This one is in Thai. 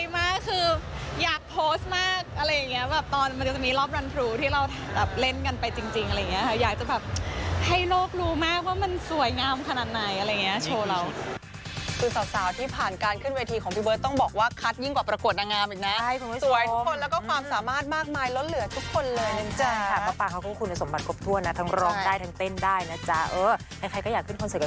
ว่ามันสวยงามขนาดไหนอะไรเงี้ยโชว์เรา